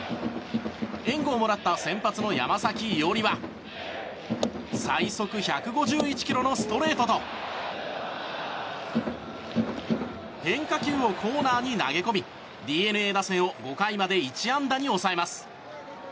援護をもらった先発の山崎伊織は最速１５１キロのストレートと変化球をコーナーに投げ込みＤｅＮＡ打線を５回まで１安打に抑えます。